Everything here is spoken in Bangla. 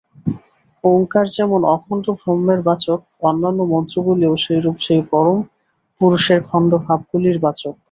ওঙ্কার যেমন অখণ্ডব্রহ্মের বাচক, অন্যান্য মন্ত্রগুলিও সেইরূপ সেই পরমপুরুষের খণ্ড-ভাবগুলির বাচক।